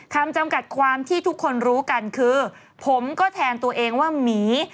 จำกัดความที่ทุกคนรู้กันคือผมก็แทนตัวเองว่าหมี